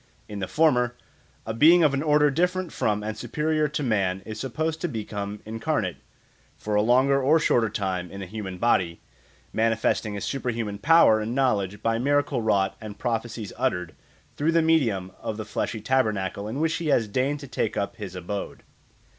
In the former, a being of an order different from and superior to man is supposed to become incarnate, for a longer or a shorter time, in a human body, manifesting his super human power and knowledge by miracles wrought and prophecies uttered through the medium of the fleshly tabernacle in which he has deigned to take up his abode.